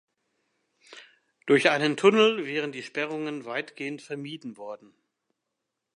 Durch einen Tunnel wären die Sperrungen weitgehend vermieden worden.